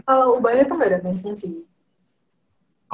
kalau ubaya itu gak ada mes nya sih